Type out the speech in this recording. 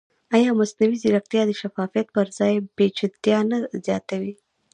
ایا مصنوعي ځیرکتیا د شفافیت پر ځای پېچلتیا نه زیاتوي؟